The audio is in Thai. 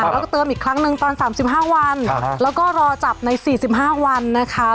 แล้วก็เติมอีกครั้งหนึ่งตอน๓๕วันแล้วก็รอจับใน๔๕วันนะคะ